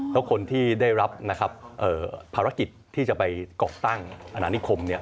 แล้วคนที่ได้รับภารกิจที่จะไปกรอกตั้งอาณานิคม